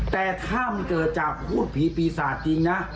แต่ถ้ามันเกิดจากพูดผีปีศาจจริงนะ